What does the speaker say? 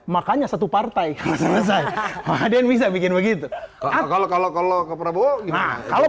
makanya satu partai selesai hadir bisa bikin begitu kalau kalau kalau ke prabowo kalau